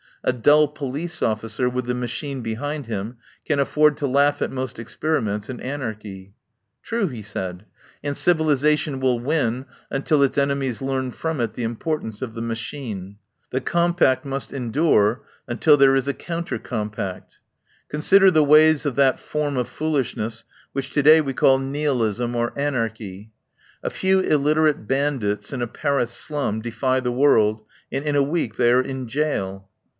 A dull po lice officer, with the machine behind him, can afford to laugh at most experiments in anar chy." "True," he said, "and civilisation will win until its enemies learn from it the importance of the machine. The compact must endure until there is a counter compact. Consider the ways of that form of foolishness which to day we call nihilism or anarchy. A few illit erate bandits in a Paris slum defy the world, and in a week they are in jail.